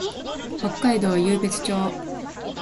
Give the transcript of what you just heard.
北海道湧別町